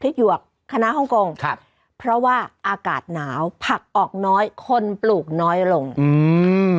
หยวกคณะฮ่องกงครับเพราะว่าอากาศหนาวผักออกน้อยคนปลูกน้อยลงอืม